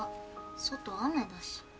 外雨だし